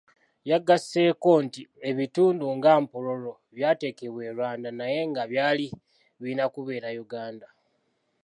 Yagasseeko nti n'ebitundu nga Mpororo byateekebwa e Rwanda naye nga byali birina kubeera Uganda.